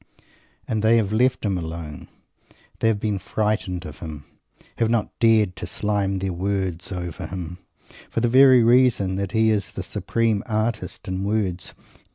And they have left him alone; have been frightened of him; have not dared to slime their "words" over him, for the very reason that he is the supreme artist in words!